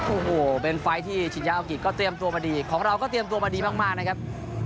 โอ้โหเป็นไฟล์ที่ชินยาโอกิก็เตรียมตัวมาดีของเราก็เตรียมตัวมาดีมากนะครับ